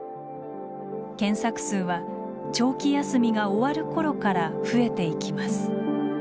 検索数は長期休みが終わる頃から増えていきます。